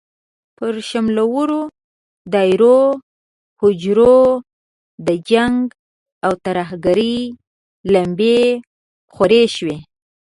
پر شملورو دېرو، هوجرو د جنګ او ترهګرۍ لمبې خورې شوې.